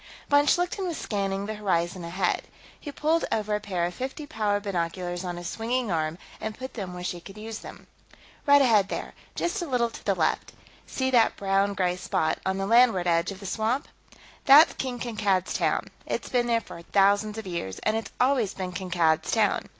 Von Schlichten was scanning the horizon ahead. He pulled over a pair of fifty power binoculars on a swinging arm and put them where she could use them. "Right ahead, there; just a little to the left. See that brown gray spot on the landward edge of the swamp? That's King Kankad's Town. It's been there for thousands of years, and it's always been Kankad's Town.